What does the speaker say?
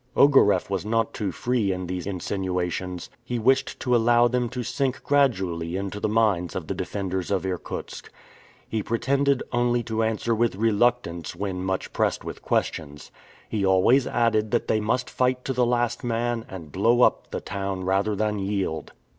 Ogareff was not too free in these insinuations. He wished to allow them to sink gradually into the minds of the defenders of Irkutsk. He pretended only to answer with reluctance when much pressed with questions. He always added that they must fight to the last man, and blow up the town rather than yield!